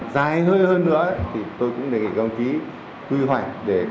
dài hơi hơn nữa thì tôi cũng nghĩ